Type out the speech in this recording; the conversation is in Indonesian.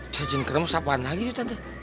cacing keremas apaan lagi tuh tante